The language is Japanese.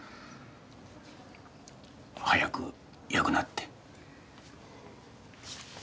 早く良くなって。